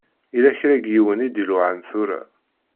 Yella kra n yiwen i d-iluɛan tura.